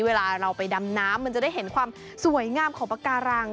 เวลาเราไปดำน้ำมันจะได้เห็นความสวยงามของปากการัง